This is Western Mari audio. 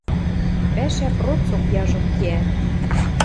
Пӓшӓ процок яжон кеӓ.